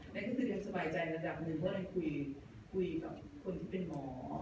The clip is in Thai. แล้วก็คือเรียกสบายใจระดับหนึ่งเพราะเราคุยคุยกับคนที่เป็นหมอ